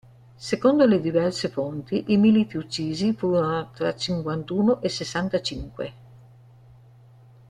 Secondo le diverse fonti, i militi uccisi furono tra cinquantuno e sessantacinque.